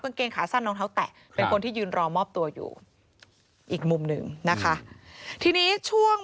เกงขาสั้นรองเท้าแตะเป็นคนที่ยืนรอมอบตัวอยู่อีกมุมหนึ่งนะคะทีนี้ช่วง